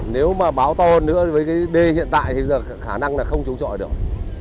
nếu mà bão to hơn nữa với cái đê hiện tại thì khả năng là không chống chọi được